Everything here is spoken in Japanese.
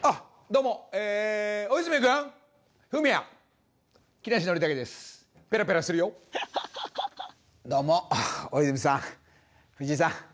どうも大泉さん藤井さん。